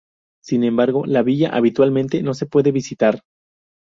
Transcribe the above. Sin embargo, la villa habitualmente no se puede visitar.